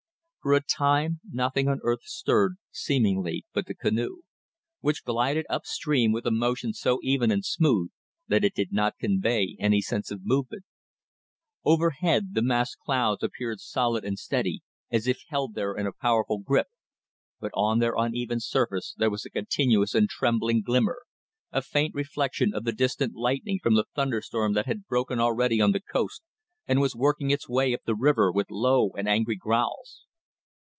For a time nothing on earth stirred, seemingly, but the canoe, which glided up stream with a motion so even and smooth that it did not convey any sense of movement. Overhead, the massed clouds appeared solid and steady as if held there in a powerful grip, but on their uneven surface there was a continuous and trembling glimmer, a faint reflection of the distant lightning from the thunderstorm that had broken already on the coast and was working its way up the river with low and angry growls.